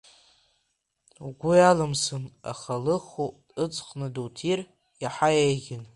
Угу иалымсын, аха лыху ыҵхны дуҭир иаҳа есиӷьын!